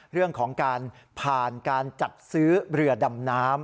เรื่องของการผ่านการจัดซื้อเรือดำน้ำ